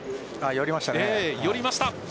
寄りました。